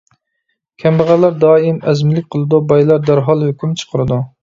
كەمبەغەللەر دائىم ئەزمىلىك قىلىدۇ، بايلار دەرھال ھۆكۈم چىقىرىدۇ.